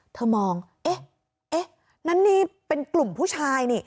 เธอมองนั่นนี่เป็นกลุ่มผู้ชาย